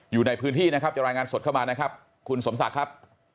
อยู่ในพื้นที่นะครับจะรายงานสดเข้ามานะครับคุณสมศักดิ์ครับ